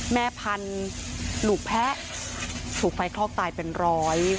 แม่พันธุ์ลูกแพะถูกไฟคลอกตายเป็นร้อย